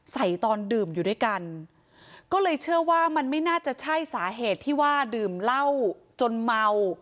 ตอนดื่มอยู่ด้วยกันก็เลยเชื่อว่ามันไม่น่าจะใช่สาเหตุที่ว่าดื่มเหล้าจนเมา